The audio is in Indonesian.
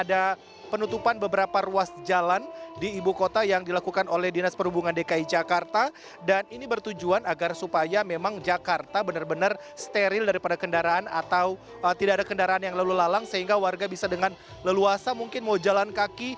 ada penutupan beberapa ruas jalan di ibu kota yang dilakukan oleh dinas perhubungan dki jakarta dan ini bertujuan agar supaya memang jakarta benar benar steril daripada kendaraan atau tidak ada kendaraan yang lalu lalang sehingga warga bisa dengan leluasa mungkin mau jalan kaki